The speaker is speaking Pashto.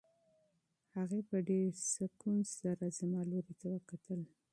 هغې په ډېر سکون سره زما لوري ته وکتل.